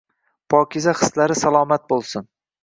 Pokiza hislari salomat bo’lsin.